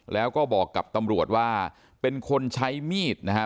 แล้วก็บอกกับตำรวจว่าเป็นคนใช้มีดนะฮะ